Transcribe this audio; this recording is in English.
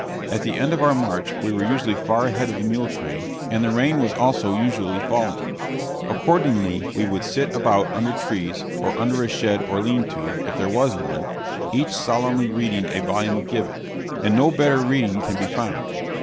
At the end of our march we were usually far ahead of the mule train, and the rain was also usually falling. Accordingly we would sit about under trees, or under a shed or lean to, if there was one, each solemnly reading a volume of Gibbon and no better reading can be found.